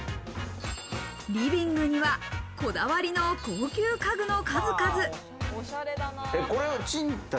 リビングにはこだわりの高級家具の数々。